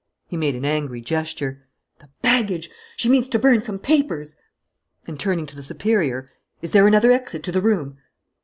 He made an angry gesture: "The baggage! She means to burn some papers!" And, turning to the superior: "Is there another exit to the room?"